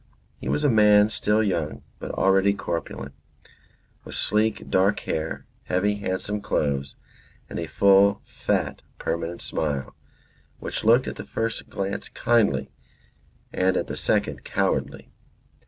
He was a man still young, but already corpulent, with sleek dark hair, heavy handsome clothes, and a full, fat, permanent smile, which looked at the first glance kindly, and at the second cowardly.